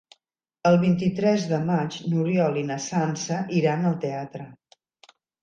El vint-i-tres de maig n'Oriol i na Sança iran al teatre.